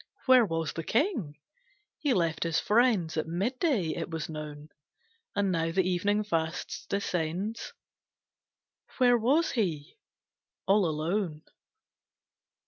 Where was the king? He left his friends At midday, it was known, And now that evening fast descends Where was he? All alone.